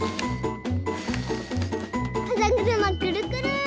かざぐるまくるくる！